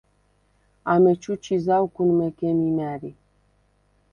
ამეჩუ ჩი ზავ გუნ მეგემ იმა̈რი.